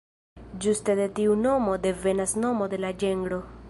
Ĝuste de tiu nomo devenas nomo de la ĝenro.